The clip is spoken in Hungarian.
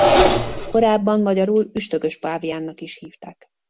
Korábban magyarul üstökös páviánnak is hívták.